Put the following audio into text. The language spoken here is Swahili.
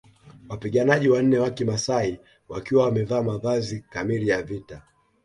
Wapiganaji wanne wa kimasai wakiwa wamevaa mavazi kamili ya vita